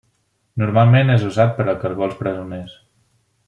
Normalment és usat per a caragols presoners.